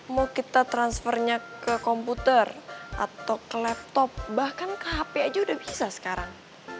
mau kita transfernya ke komputer atau ke laptop bahkan ke hp aja udah bisa sekarang